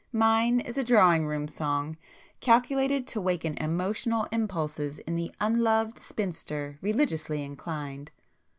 Mine is a drawing room song—calculated to waken emotional impulses in the unloved spinster religiously inclined!"